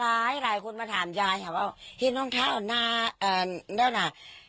ตายหลายคนมาถามยายครับว่าเห็นรองเท้าหน้า